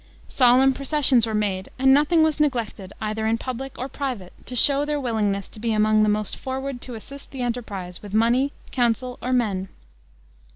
Solemn processions were made, and nothing was neglected either in public or private, to show their willingness to be among the most forward to assist the enterprise with money, counsel, or men.